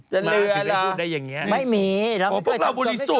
จันเลยเหรอ